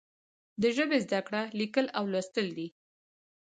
د ژبې زده کړه لیکل او لوستل دي.